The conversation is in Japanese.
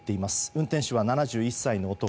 運転手は７１歳の男。